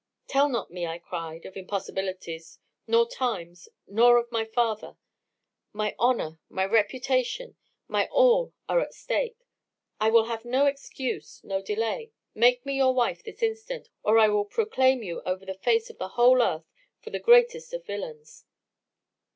Tell not me, I cried, of impossibilities, nor times, nor of my father my honour, my reputation, my all are at stake. I will have no excuse, no delay make me your wife this instant, or I will proclaim you over the face of the whole earth for the greatest of villains.